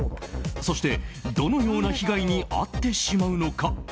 そしてどのような被害に遭ってしまうのか。